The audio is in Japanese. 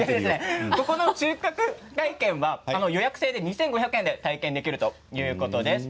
この収穫体験は予約制で２５００円で体験できるということです。